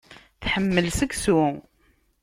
Tḥemmel seksu.